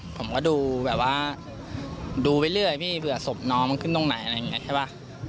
ผมก็ดูแบบว่าดูไปเรื่อยพี่เบื่อศพน้องมันขึ้นตรงไหนอะไรอย่างนี้ใช่ป่ะ